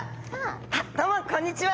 あっどうもこんにちは！